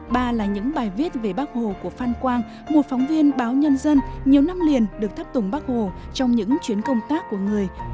ba là những bài viết về bác hồ của phan quang một phóng viên báo nhân dân nhiều năm liền được thắp tùng bác hồ trong những chuyến công tác của người